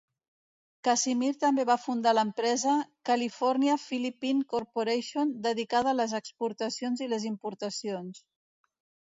Casimir també va fundar l"empresa California Philippine Corporation dedicada a les exportacions i les importacions.